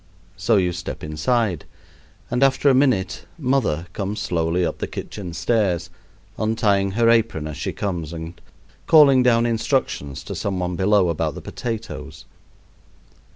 So you step inside and after a minute "mother" comes slowly up the kitchen stairs, untying her apron as she comes and calling down instructions to some one below about the potatoes.